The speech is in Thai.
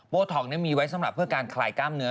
ท็อกมีไว้สำหรับเพื่อการคลายกล้ามเนื้อ